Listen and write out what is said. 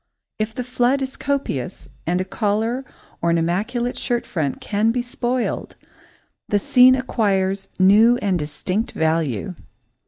If the flood is copious and a collar or an immaculate shirt front can be spoiled, the scene acquires new and distinct value.